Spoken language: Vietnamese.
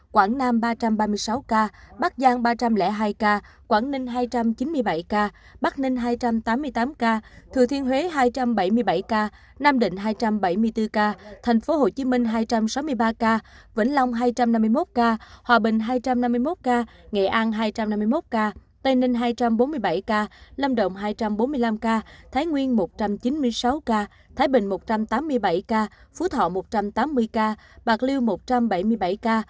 quảng nam ba trăm ba mươi sáu ca bắc giang ba trăm linh hai ca quảng ninh hai trăm chín mươi bảy ca bắc ninh hai trăm tám mươi tám ca thừa thiên huế hai trăm bảy mươi bảy ca nam định hai trăm bảy mươi bốn ca thành phố hồ chí minh hai trăm sáu mươi ba ca vĩnh long hai trăm năm mươi một ca hòa bình hai trăm năm mươi một ca nghệ an hai trăm năm mươi một ca tây ninh hai trăm bốn mươi bảy ca lâm động hai trăm bốn mươi năm ca thái nguyên một trăm chín mươi sáu ca thái bình một trăm tám mươi bảy ca phú thọ một trăm tám mươi ca bạc liêu một trăm bảy mươi bảy ca